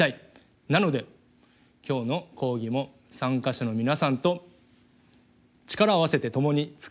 なので今日の講義も参加者の皆さんと力を合わせて共に作り上げていきたいと思っています。